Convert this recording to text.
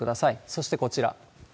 そしてこちら。